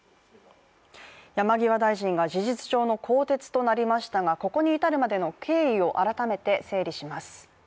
山際大臣が事実上の更迭となりましたがここに至るまでの経緯を改めて整理します。